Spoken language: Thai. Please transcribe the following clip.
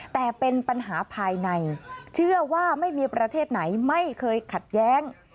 แต่เป็นปัญหาภายในเชื่อว่าไม่มีประเทศไหนไม่เคยขัดแย้ง